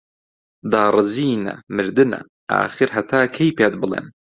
داڕزینە، مردنە، ئاخر هەتا کەی پێت بڵێن